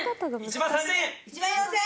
１万３０００円！